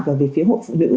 và về phía hội phụ nữ